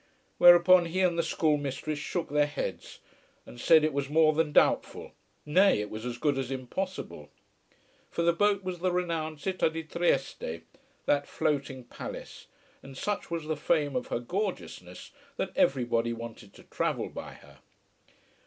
Whereupon he and the schoolmistress shook their heads and said it was more than doubtful nay, it was as good as impossible. For the boat was the renowned Città di Trieste, that floating palace, and such was the fame of her gorgeousness that everybody wanted to travel by her.